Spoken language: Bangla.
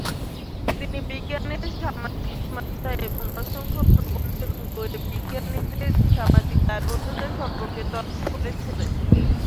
তিনি বিজ্ঞানের সামাজিক মাত্রা, এবং অসংখ্য প্রবন্ধ এবং বইয়ে বিজ্ঞানীদের সামাজিক দায়বদ্ধতা সম্পর্কে তর্ক করেছিলেন।